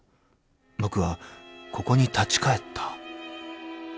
［僕はここに立ち返った］